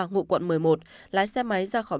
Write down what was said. ngụ quận một mươi một lái xe máy ra khỏi